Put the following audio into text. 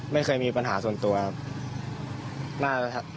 ไม่เคยมีปัญหาส่วนตัวครับ